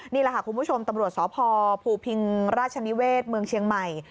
นี่แหละค่ะคุณผู้ชมตำรวจสพภูพิงราชนิเวศเมืองเชียงใหม่